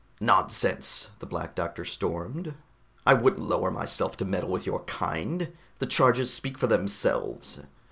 "Nonsense!" the Black Doctor stormed. "I wouldn't lower myself to meddle with your kind. The charges speak for themselves."